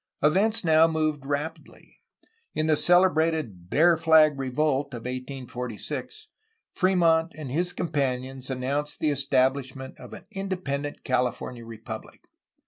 Events now moved rapidly. In the celebrated ^'Bear Flag revolt" of 1846 Fremont and his companions announced the estab lishment of an independent California RepubHc.